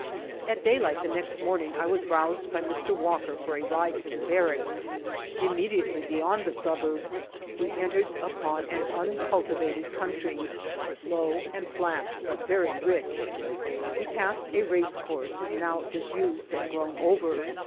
At daylight the next morning I was roused by Mr. Walker for a ride to the barracks. Immediately be yond the suburbs we entered upon an uncultivated country, low and flat, but very rich. We passed a racecourse, now disused and grown over.